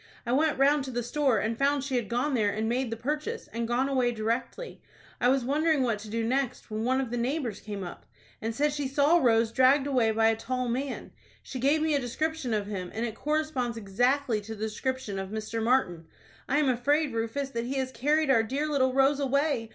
I went round to the store, and found she had gone there and made the purchase, and gone away directly. I was wondering what to do next, when one of the neighbors came up, and said she saw Rose dragged away by a tall man. She gave me a description of him, and it corresponds exactly to the description of Mr. Martin. I am afraid, Rufus, that he has carried our dear little Rose away.